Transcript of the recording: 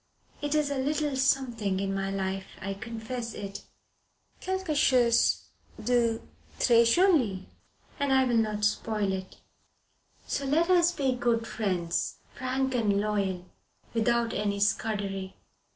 It is a little something in my life I confess it quelque chose de tres joli and I will not spoil it. So let us be good friends, frank and loyal without any Scudery."